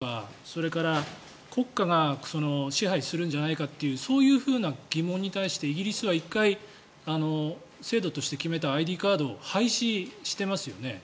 プライバシーの問題とかそれから国家が支配するんじゃないかというそういうふうな疑問に対してイギリスは１回、制度として決めたＩＤカードを廃止していますよね。